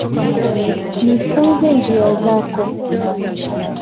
Nifunze njia zako.